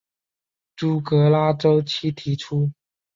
朱格拉周期提出。